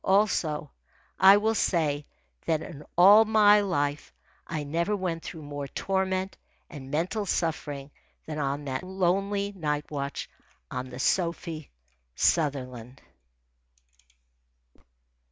Also, I will say that in all my life I never went through more torment and mental suffering than on that lonely night watch on the Sophie Sutherland.